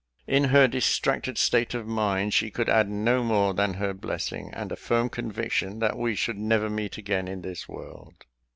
In her distracted state of mind, she could add no more than her blessing, and a firm conviction that we should never meet again in this world.